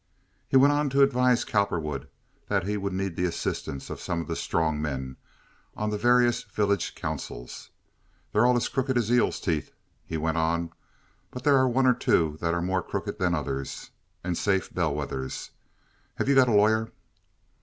He went on to advise Cowperwood that he would need the assistance of some of the strong men on the various village councils. "They're all as crooked as eels' teeth," he went on. "But there are one or two that are more crooked than others and safer—bell wethers. Have you got your lawyer?"